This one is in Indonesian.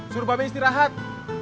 suruh pak ben istirahat